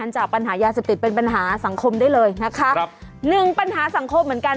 จากปัญหายาเสพติดเป็นปัญหาสังคมได้เลยนะคะครับหนึ่งปัญหาสังคมเหมือนกัน